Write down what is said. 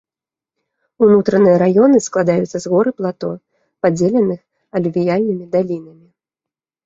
Унутраныя раёны складаюцца з гор і плато, падзеленых алювіяльнымі далінамі.